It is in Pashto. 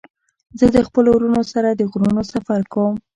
زه د خپلو ورونو سره د غرونو سفر کوم.